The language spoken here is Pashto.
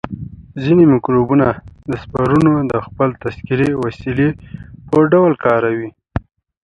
ځینې مکروبونه سپورونه د خپل تکثري وسیلې په ډول کاروي.